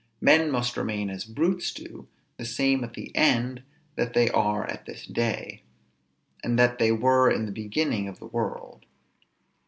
Men must remain as brutes do, the same at the end that they are at this day, and that they were in the beginning of the world.